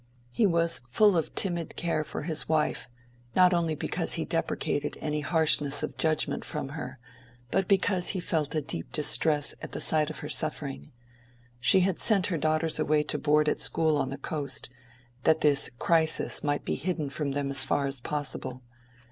He was full of timid care for his wife, not only because he deprecated any harshness of judgment from her, but because he felt a deep distress at the sight of her suffering. She had sent her daughters away to board at a school on the coast, that this crisis might be hidden from them as far as possible.